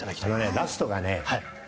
ラストがね